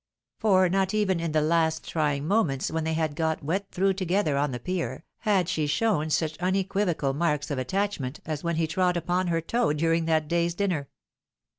For not even in the last trying moments when they had got wet .through together on the Pier, had she shown such unequivocal marks of attachment, as when he trod upon her toe during that day's dinner.